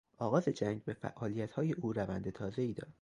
آغاز جنگ به فعالیتهای او روند تازهای داد.